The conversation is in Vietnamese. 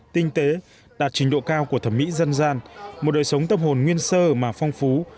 tinh tế đạt trình độ cao của thẩm mỹ dân gian một đời sống tâm hồn nguyên sơ mà phong phú